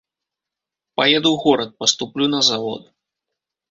Паеду ў горад, паступлю на завод.